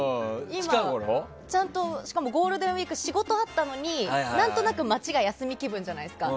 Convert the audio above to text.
近ごろ？ちゃんと、しかもゴールデンウィーク仕事あったのに何となく街が休み気分じゃないですか。